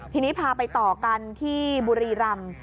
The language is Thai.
ทีนี้พาไปต่อกันที่บุรีรำ